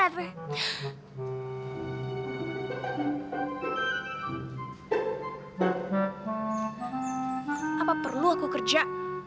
apa perlu aku kerja